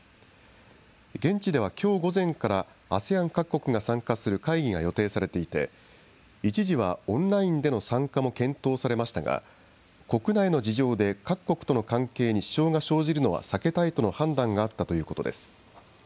現地ではきょう午前から、ＡＳＥＡＮ各国が参加する会議が予定されていて、一時はオンラインでの参加も検討されましたが、国内の事情で各国との関係に支障が生じるのは避けたいとの判断があったということです。